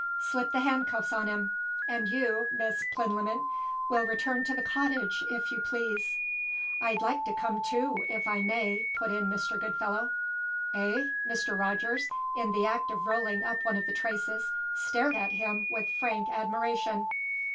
"Slip the handcuffs on him. And you, Miss Plinlimmon, will return to the cottage, if you please." "I'd like to come, too, if I may," put in Mr. Goodfellow. "Eh?" Mr. Rogers, in the act of rolling up one of the traces, stared at him with frank admiration.